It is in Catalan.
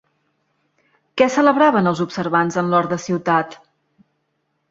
Què celebraven els observants en l'hort de Ciutat?